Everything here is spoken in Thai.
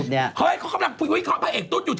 เฮ้ยก็คำนั้นวิเคราะห์พระเอกตุ๊ฐอยู่